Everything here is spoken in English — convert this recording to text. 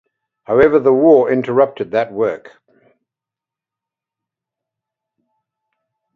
However, the War interrupted that work.